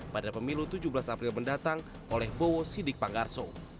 pada pemilu tujuh belas april mendatang oleh bowo sidik panggarso